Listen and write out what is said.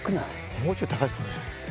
もうちょい高いっすね